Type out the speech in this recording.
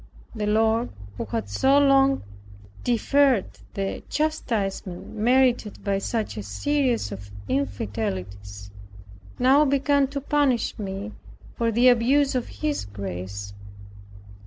The Lord, who had so long deferred the chastisement merited by such a series of infidelities, now began to punish me for the abuse of his grace.